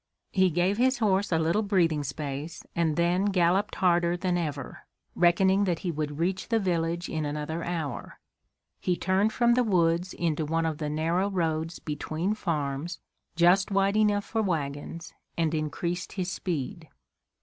He gave his horse a little breathing space and then galloped harder than ever, reckoning that he would reach the village in another hour. He turned from the woods into one of the narrow roads between farms, just wide enough for wagons, and increased his speed.